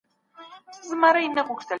د بس او موټر چوکۍ مه خرابوئ.